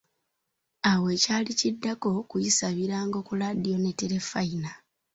Awo ekyali kiddako, kuyisa birango ku laadiyo ne terefayina.